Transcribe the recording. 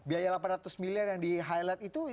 biaya delapan ratus miliar yang di highlight itu